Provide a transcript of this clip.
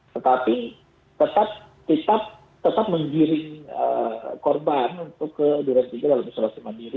tetapi tetap menggiring korban untuk ke duren tiga dalam isolasi mandiri